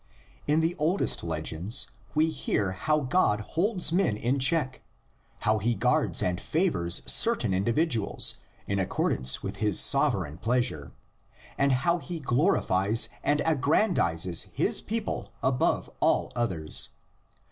In the oldest legends we hear how God holds men in check, how he guards and favors certain individuals in accordance with his sovereign pleasure, and how he glorifies and aggrandises his people above all others.